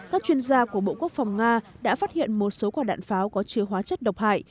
các chuyên gia của bộ quốc phòng nga đã phát hiện một số quả đạn pháo có chứa hóa chất độc hại